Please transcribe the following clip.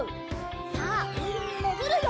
さあうみにもぐるよ！